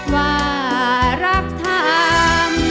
ว่ารับทำ